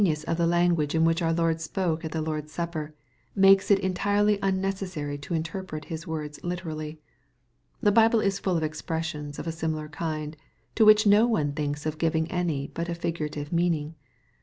357 Finally, the geniiis of the language in which our Loid spoke at the Lord's Supper, makes it entirely unneces sary to interpret His words literally. The Bible is full of expressions of a similar kind, to which no one thinks of giving any but a figurative meaning.